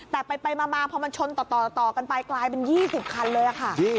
แต่ไปมาพอมันชนต่อกันไปกลายเป็น๒๐คันเลยค่ะ